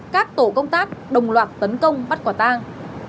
các tổ công tác đồng loạt tấn công bắt quả tang